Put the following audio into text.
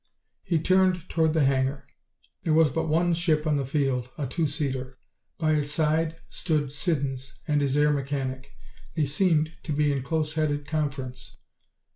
He turned toward the hangar. There was but one ship on the field, a two seater. By its side stood Siddons and his air mechanic. They seemed to be in close headed conference.